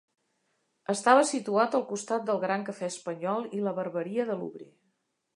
Estava situat al costat del Gran Cafè Espanyol i la Barberia de l'Obrer.